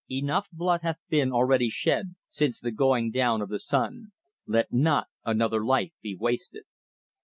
Enough blood hath been already shed since the going down of the sun; let not another life be wasted."